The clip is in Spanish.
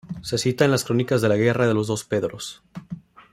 Se cita en las crónicas de la guerra de los Dos Pedros.